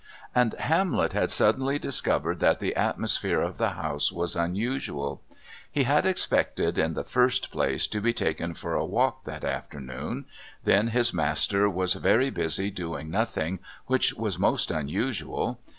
And Hamlet had suddenly discovered that the atmosphere of the house was unusual. He had expected, in the first place, to be taken for a walk that afternoon; then his master was very busy doing nothing, which was most unusual.